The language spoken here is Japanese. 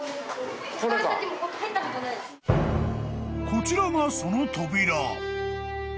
［こちらがその扉］